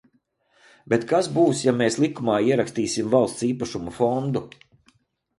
Bet, kas būs, ja mēs likumā ierakstīsim Valsts īpašuma fondu?